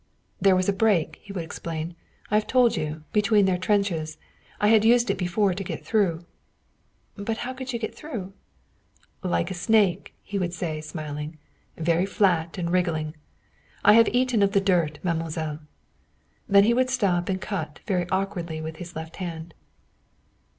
"There was a break," he would explain. "I have told you between their trenches. I had used it before to get through." "But how could you go through?" "Like a snake," he would say, smiling. "Very flat and wriggling. I have eaten of the dirt, mademoiselle." Then he would stop and cut, very awkwardly, with his left hand.